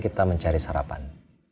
kita mencari sarapan